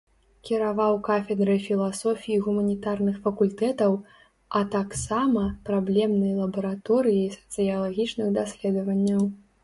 Кіраваў кафедрай філасофіі гуманітарных факультэтаў, а так сама праблемнай лабараторыяй сацыялагічных даследаванняў.